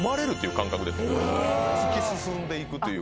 突き進んでいくという。